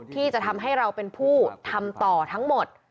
ที่จะทำให้เราเป็นผู้ทำต่อทั้งหมด